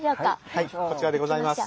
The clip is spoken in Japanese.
はいこちらでございます。